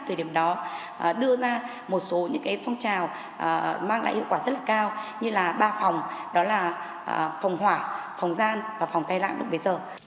từ điểm đó đưa ra một số phong trào mang lại hiệu quả rất cao như ba phòng đó là phòng hỏa phòng gian và phòng tai lạc được bây giờ